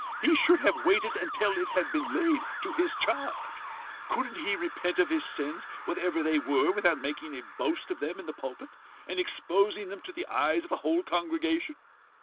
He should have waited until it had been laid to his charge. Couldn't he repent of his sins, whatever they were, without making a boast of them in the pulpit, and exposing them to the eyes of a whole congregation?